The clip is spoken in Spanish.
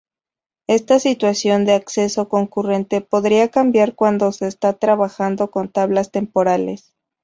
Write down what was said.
Esta situación de acceso concurrente podría cambiar cuando se está trabajando con tablas temporales.